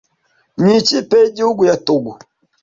Mu ikipe y'igihugu ya Togo